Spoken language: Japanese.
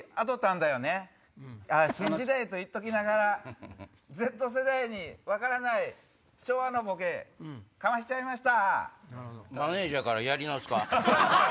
新時代と言っときながらＺ世代に分からない昭和のボケかましちゃいました。